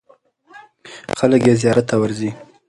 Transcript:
خلک یې زیارت ته ورځي.